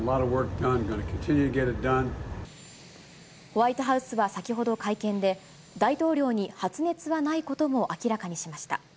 ホワイトハウスは先ほど、会見で、大統領に発熱はないことも明らかにしました。